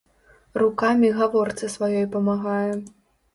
Рукамі гаворцы сваёй памагае.